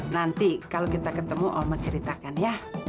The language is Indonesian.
nanti kalau kita ketemu omet ceritakan ya